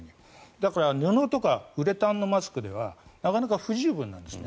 だから布とかウレタンのマスクではなかなか不十分なんですね。